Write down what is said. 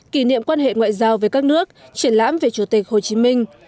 kỷ niệm quan hệ ngoại giao với các nước triển lãm về chủ tịch hồ chí minh